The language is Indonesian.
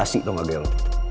kasih tau gak dia lo